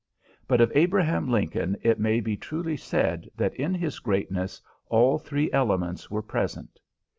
But of Abraham Lincoln it may be truly said that in his greatness all three elements were present.